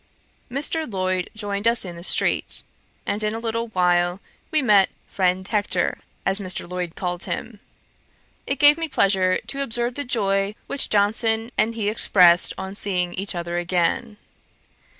Mr. Lloyd joined us in the street; and in a little while we met Friend Hector, as Mr. Lloyd called him. It gave me pleasure to observe the joy which Johnson and he expressed on seeing each other again.